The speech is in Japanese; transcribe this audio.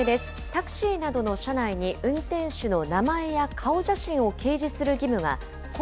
タクシーなどの車内に運転手の名前や顔写真を掲示する義務が、今